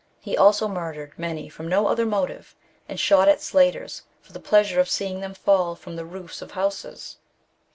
He also murdered many from no other motive, and shot at slaters for the pleasure of seeing them fall from the roofs of houses.